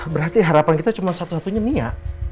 berarti harapan kita cuma satu satunya nia